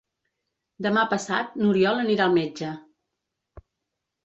Demà passat n'Oriol anirà al metge.